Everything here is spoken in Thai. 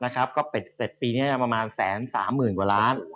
ก็เป็นเศษปีนี้ประมาณ๑๓๐๐๐๐กว่าร้าน